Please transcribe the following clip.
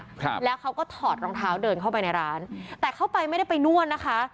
ครับแล้วเขาก็ถอดรองเท้าเดินเข้าไปในร้านแต่เข้าไปไม่ได้ไปนวดนะคะ